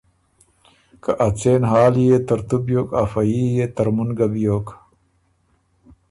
که ا څېن حال يې ترتُو بیوک افۀ يي يې ترمُن ګۀ بیوک۔